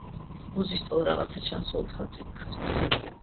ბუზის ტოლა რაღაცა ჩანსო, - უთხრა წიქარას.